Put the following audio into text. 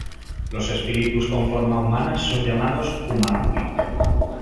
Los espíritus con forma humanas son llamados"Humanubic"'.